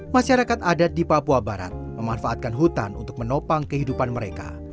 masyarakat adat di papua barat memanfaatkan hutan untuk menopang kehidupan mereka